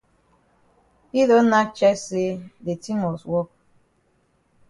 Yi don nack chest say de tin must wok.